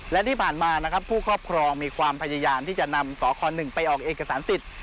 และที่ผ่านมานะครับผู้ครอบครองมีความพยายามที่จะนำสค๑ไปออกเอกสารสิทธิ์